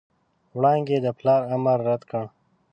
وړانګې د پلار امر رد کړ.